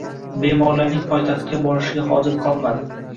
Bemorlarning poytaxtga borishiga hojat qolmadi